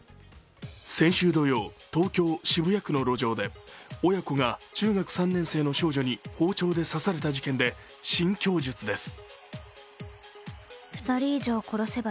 先週土曜、東京・渋谷区の路上で親子が中学３年生の少女に包丁で刺された事件で新供述です。